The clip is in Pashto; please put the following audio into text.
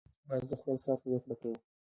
باز د خپل سر پریکړه کوي